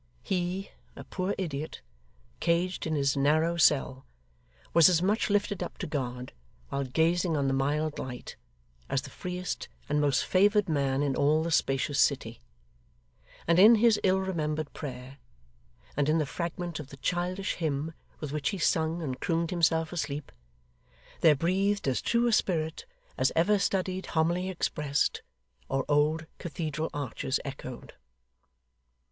He, a poor idiot, caged in his narrow cell, was as much lifted up to God, while gazing on the mild light, as the freest and most favoured man in all the spacious city; and in his ill remembered prayer, and in the fragment of the childish hymn, with which he sung and crooned himself asleep, there breathed as true a spirit as ever studied homily expressed, or old cathedral arches echoed.